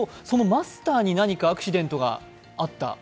そのマスターに何かアクシデントがあった？